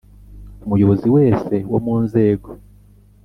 Umuyobozi wese wo mu nzego